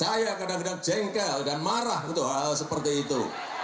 saya kadang kadang jengkel dan marah untuk hal seperti itu